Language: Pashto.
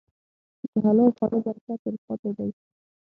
د حلال خوړو برکت تل پاتې دی.